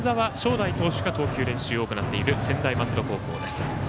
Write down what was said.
大投手が投球練習を行っている専大松戸高校です。